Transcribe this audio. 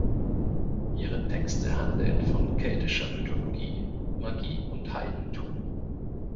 Ihre Texte handeln von keltischer Mythologie, Magie und Heidentum.